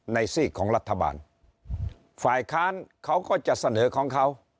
ซีกของรัฐบาลฝ่ายค้านเขาก็จะเสนอของเขา